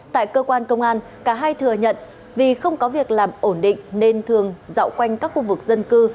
tại cơ quan công an cả hai thừa nhận vì không có việc làm ổn định nên thường dạo quanh các khu vực dân cư